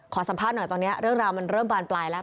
สัมภาษณ์หน่อยตอนนี้เรื่องราวมันเริ่มบานปลายแล้ว